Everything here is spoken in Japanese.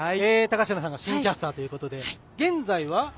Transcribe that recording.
高階さんが新キャスターということで現在は。